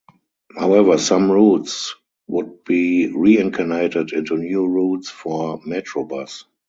However some routes would be reincarnated into new routes for Metrobus.